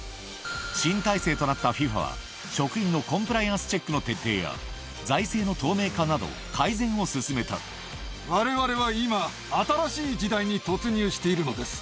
新体制となったＦＩＦＡは、職員のコンプライアンスチェックの徹底や、財政の透明化など、われわれは今、新しい時代に突入しているのです。